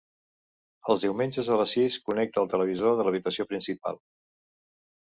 Els diumenges a les sis connecta el televisor de l'habitació principal.